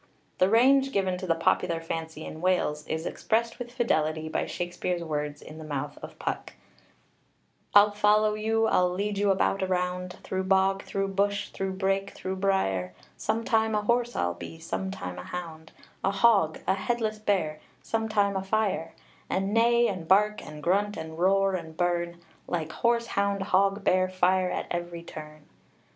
The range given to the popular fancy in Wales is expressed with fidelity by Shakspeare's words in the mouth of Puck: I'll follow you, I'll lead you about a round, Through bog, through bush, through brake, through brier, Sometime a horse I'll be, sometime a hound, A hog, a headless bear, sometime a fire; And neigh, and bark, and grunt, and roar, and burn, Like horse, hound, hog, bear, fire, at every turn.